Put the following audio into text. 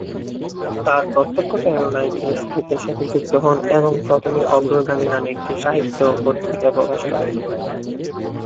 তার প্রত্যক্ষ প্রেরণায় তিনি সাহিত্যের সাথে যুক্ত হন এবং প্রথমে ‘অগ্রগামী’ নামে একটি সাহিত্য পত্রিকা প্রকাশ করেন।